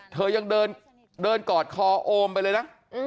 เธอยังเดินกอดคอโอมไปเลยนะ